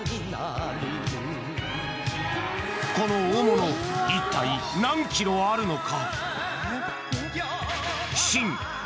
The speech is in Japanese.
この大物、一体何キロあるのか。